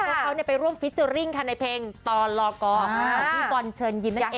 จากผมพูใช่ไหมครับ